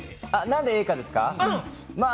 何でＡかですか？